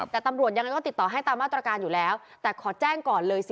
แต่ตำรวจยังไงก็ติดต่อให้ตามมาตรการอยู่แล้วแต่ขอแจ้งก่อนเลย